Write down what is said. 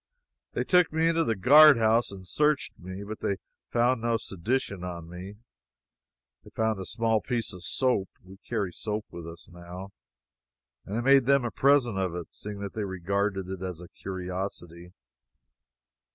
They took me into the guard house and searched me, but they found no sedition on me. They found a small piece of soap (we carry soap with us, now,) and I made them a present of it, seeing that they regarded it as a curiosity.